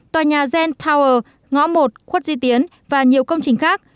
tòa nhà gen tower ngõ một khuất duy tiến và nhiều công trình khác